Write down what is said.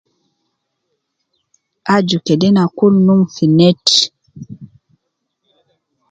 Aju kede na kul num fi neti